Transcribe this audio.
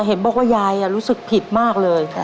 เห็นบอกว่ายายรู้สึกผิดมากเลย